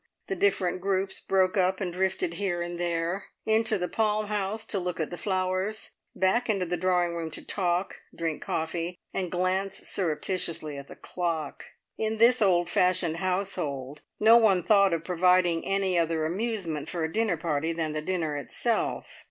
The different groups broke up and drifted here and there; into the palm house to look at the flowers, back into the drawing room to talk, drink coffee, and glance surreptitiously at the clock. In this old fashioned household, no one thought of providing any other amusement for a dinner party than the dinner itself.